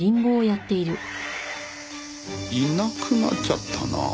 いなくなっちゃったなあ。